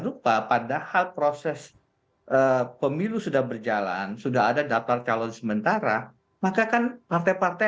rupa padahal proses pemilu sudah berjalan sudah ada daftar calon sementara maka kan partai partai